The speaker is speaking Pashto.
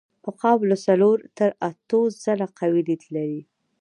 عقاب له څلور تر اتو ځله قوي لید لري.